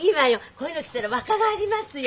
こういうの着たら若返りますよ。